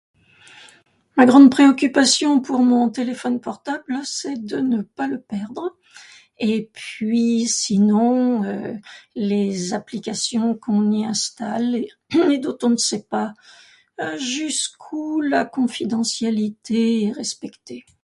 Ma grande préoccupation pour mon téléphone portable, c'est de ne pas le perdre et puis sinon, euh, les applications qu'on y installe et dont on ne sait pas jusqu'où la confidentialité est respectée.